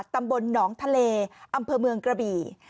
ตำบลหนองทะเลอำเภอเมืองกระบี่